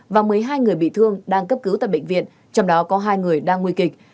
và một mươi hai người bị thương đang cấp cứu tại bệnh viện trong đó có hai người đang nguy kịch